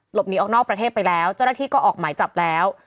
หนีออกนอกประเทศไปแล้วเจ้าหน้าที่ก็ออกหมายจับแล้ว